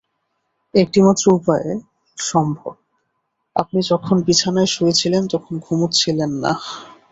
একটিমাত্র উপায়ে সম্ভব-আপনি যখন বিছানায় শুয়ে ছিলেন তখন ঘুমুচ্ছিলেন না।